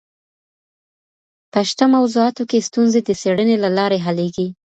په شته موضوعاتو کي ستونزي د څېړني له لاري حلېږي.